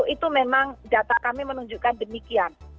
itu memang data kami menunjukkan demikian